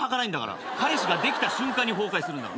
彼氏ができた瞬間に崩壊するんだから。